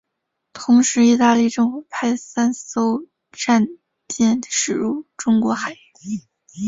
同时意大利政府派三艘战舰驶进中国海域。